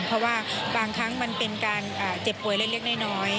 เพราะว่าบางครั้งมันเป็นการเจ็บป่วยเล็กน้อย